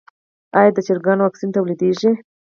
آیا د چرګانو واکسین تولیدیږي؟